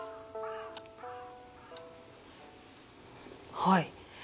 はい。